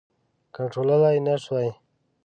کنټرولولای نه سوای.